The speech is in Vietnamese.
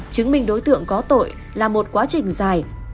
chứng minh đối tượng có tội là một quá trình dài